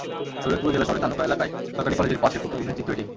শরীয়তপুর জেলা শহরের ধানুকা এলাকায় সরকারি কলেজের পাশের প্রতিদিনের চিত্র এটি।